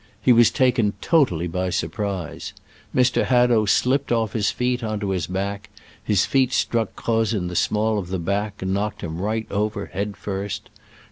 He was taken totally by surprise. Mr. Hadow slipped off his feet on to his back, his feet struck Croz in the small of the back and knocked him right over, head first.